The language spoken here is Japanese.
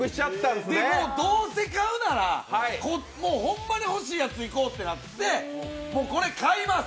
もうどうせ買うなら、ホンマに欲しいやついこうってなって、もうこれ買います！